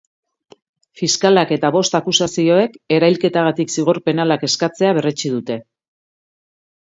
Fiskalak eta bost akusazioek erailketagatik zigor penalak eskatzea berretsi dute.